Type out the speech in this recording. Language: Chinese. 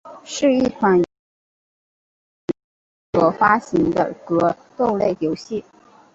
是一款由卡普空公司制作和发行的格斗类游戏。